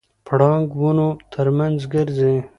پړانګ ونو ترمنځ ګرځي.